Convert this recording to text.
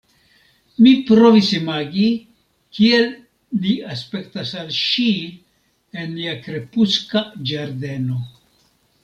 Mi provis imagi, kiel ni aspektas al ŝi, en nia krepuska ĝardeno.